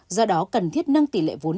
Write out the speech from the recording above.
do đó cần thiết nâng tỷ lệ vốn